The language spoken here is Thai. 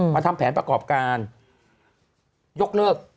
ทำแผนประกอบการยกเลิก